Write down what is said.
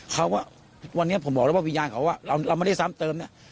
เขาว่าวันนี้ผมบอกแล้วว่าวิญญาณเขาว่าเราไม่ได้ซ้ำเติม